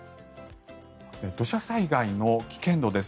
土砂災害の危険度です。